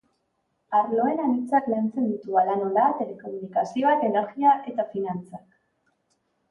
Arloen anitzak lantzen ditu, hala nola, telekomunikazioak, energia eta finantzak.